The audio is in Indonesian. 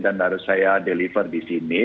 dan menurut saya deliver di sini